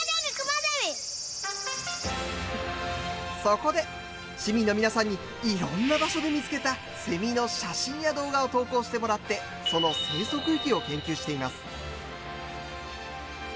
そこで市民の皆さんにいろんな場所で見つけたセミの写真や動画を投稿してもらってその生息域を研究しています。